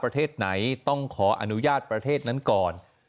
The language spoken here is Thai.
ที่ต้องขออนุญาตประเทศนั้นก่อน